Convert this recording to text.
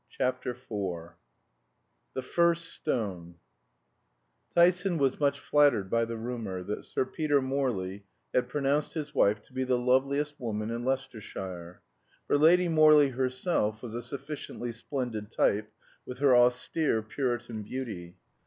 CHAPTER IV THE FIRST STONE Tyson was much flattered by the rumor that Sir Peter Morley had pronounced his wife to be "the loveliest woman in Leicestershire"; for Lady Morley herself was a sufficiently splendid type, with her austere Puritan beauty.